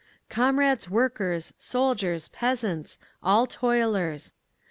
"Comrades workers, soldiers, peasants—all toilers!